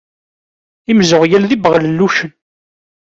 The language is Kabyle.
Imzeɣyal d ibeɣlellucen.